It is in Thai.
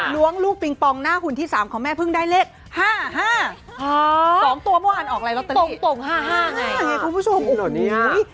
ล้วงลูกปิงปองหน้าหุ่นที่๓ของแม่พึ่งได้เลข๕๕สองตัวเมื่อวานออกไหลละตัวนี้